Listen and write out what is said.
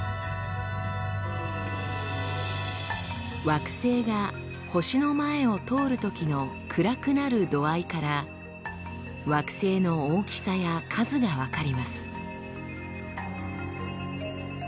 惑星が星の前を通るときの暗くなる度合いから惑星の大きさや数が分かります。